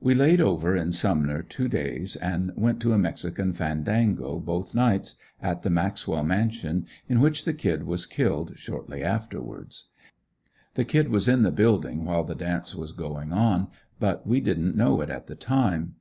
We laid over in Sumner two days and went to a mexican fandango both nights, at the Maxwell mansion in which the "Kid" was killed shortly afterwards. The "Kid" was in the building while the dance was going on but we didn't know it at the time.